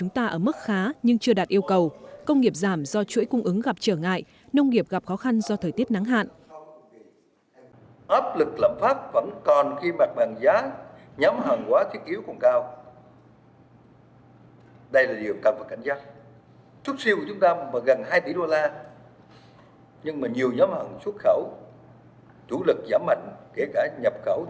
nó khá nhưng chưa đạt yêu cầu công nghiệp giảm do chuỗi cung ứng gặp trở ngại nông nghiệp gặp khó khăn do thời tiết nắng hạn